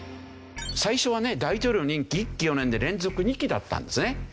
最初は大統領の任期１期４年で連続２期だったんですね。